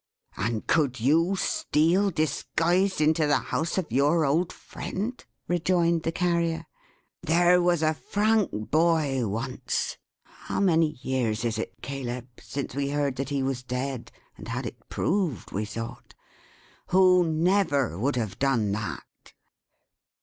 "And could you steal, disguised, into the house of your old friend?" rejoined the Carrier. "There was a frank boy once how many years is it, Caleb, since we heard that he was dead, and had it proved, we thought? who never would have done that."